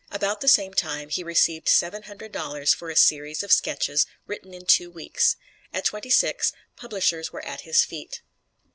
About the same time he received seven hundred dollars for a series of sketches written in two weeks. At twenty six, publishers were at his feet.